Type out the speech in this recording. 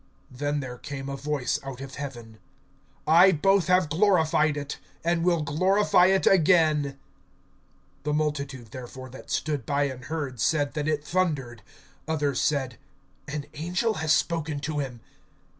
Then there came a voice out of heaven: I both have glorified it, and will glorify it again. (29)The multitude therefore that stood by and heard, said that it thundered; others said: An angel has spoken to him.